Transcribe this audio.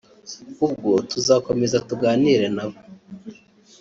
Ubwo tuzakomeza tuganire na bo